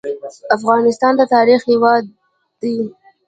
افغانستان د تاریخ هیواد دی